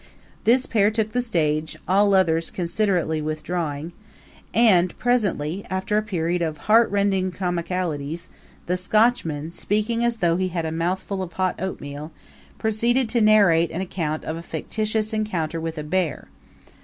This pair took the stage, all others considerately withdrawing; and presently, after a period of heartrending comicalities, the Scotchman, speaking as though he had a mouthful of hot oatmeal, proceeded to narrate an account of a fictitious encounter with a bear.